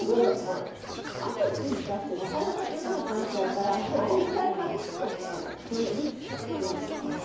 跡がついちゃってなかなか取れなくなっちゃうからそれで１回外すとそのリスクが少ない。